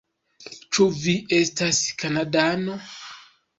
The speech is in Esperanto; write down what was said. Ĉu vi estas Kanadano?